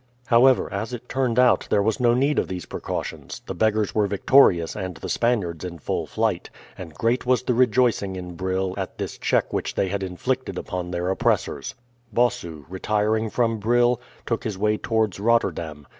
However, as it turned out, there was no need of these precautions; the beggars were victorious and the Spaniards in full flight, and great was the rejoicing in Brill at this check which they had inflicted upon their oppressors. Bossu, retiring from Brill, took his way towards Rotterdam.